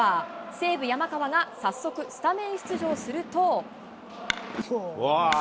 西武、山川が早速、スタメン出場すると。